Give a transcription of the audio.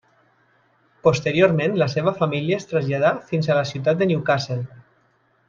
Posteriorment la seva família es traslladà fins a la ciutat de Newcastle.